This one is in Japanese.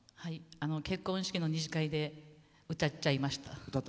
結婚式の２次会で歌っちゃいました。